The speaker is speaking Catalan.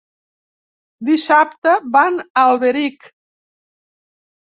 Dissabte van a Alberic.